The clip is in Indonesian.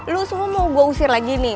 lo semua mau gua usir lagi nih